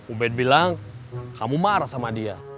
ubed bilang kamu marah sama dia